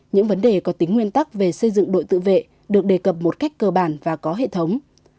những vấn đề có tính nguyên tắc về xây dựng đội tự vệ được đề cập một cách cơ bản và có hệ thống